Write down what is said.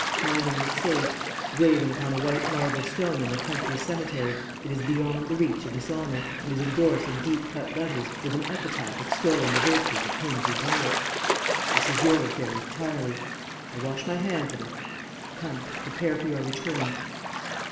My name is safe; graven upon a white marble stone in a country cemetery, it is beyond the reach of dishonour, and is endorsed in deep cut letters with an epitaph extolling the virtues of him who bore it. This is your affair entirely; I wash my hands of it. Come, prepare for your return.'